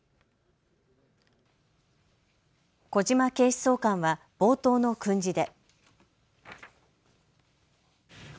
小島警視総監は冒頭の訓示で。